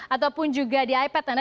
ataupun juga di ipad anda